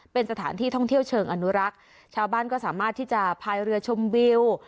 เป็นสถานที่ท่องเที่ยวเชิงอนุรักษ์ชาวบ้านก็สามารถที่จะพายเรือชมวิว